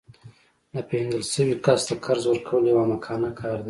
ناپیژندل شوي کس ته قرض ورکول یو احمقانه کار دی